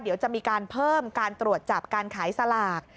เดี๋ยวจะมีการเพิ่มการตรวจจับการขายสลาก